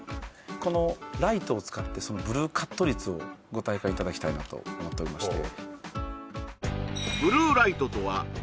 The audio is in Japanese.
このライトを使ってそのブルーカット率をご体感いただきたいなと思っておりまして